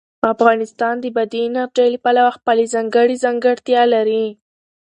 افغانستان د بادي انرژي له پلوه خپله ځانګړې ځانګړتیا لري.